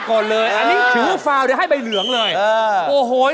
โอ้โฮย